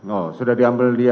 oh sudah diambil dia